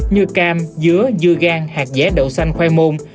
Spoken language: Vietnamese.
như cam dứa dưa gan hạt dẻ đậu xanh khoai môn